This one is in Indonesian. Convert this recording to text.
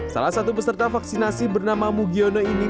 salah satu peserta vaksinasi bernama mugiono ini